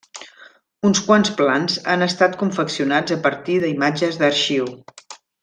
Uns quants plans han estat confeccionats a partir d'imatges d'arxiu.